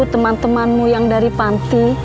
teman temanmu yang dari panti